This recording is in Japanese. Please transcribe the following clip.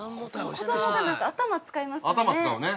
頭使いますね。